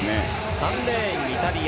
３レーン、イタリア。